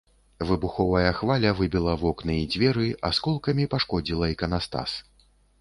Выбуховая хваля выбіла вокны і дзверы, асколкамі пашкодзіла іканастас.